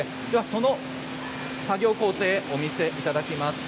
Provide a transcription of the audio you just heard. その作業工程をお見せいただきます。